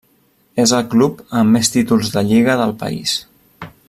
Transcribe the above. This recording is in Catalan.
És el club amb més títols de lliga del país.